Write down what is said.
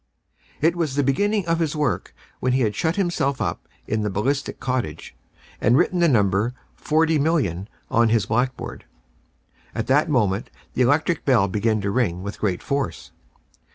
It was at the beginning of his work when he had shut himself up in the "Ballistic Cottage," and written the number 40,000,000 on his blackboard. At that moment the electric bell began to ring with great force.